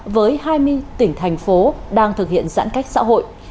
với hai mươi tỉnh thành phố đang thực hiện giãn cách xã hội